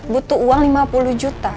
butuh uang lima puluh juta